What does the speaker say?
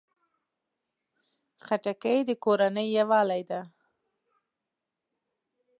خټکی د کورنۍ یووالي ده.